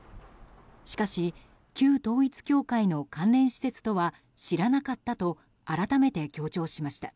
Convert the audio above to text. しかし、旧統一教会の関連施設とは知らなかったと改めて強調しました。